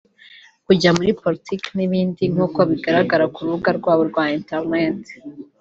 kujya muri politiki n’ibindi nk’uko bigaragara ku rubuga rwabo rwa interineti